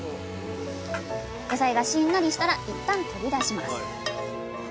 野菜がしんなりしたらいったん取り出します。